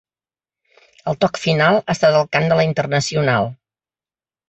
El toc final ha estat el cant de ‘La internacional’.